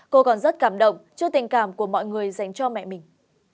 cô còn rất cảm động trước tình cảm của mọi người dành cho mẹ mình